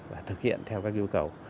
và thực hiện theo các yêu cầu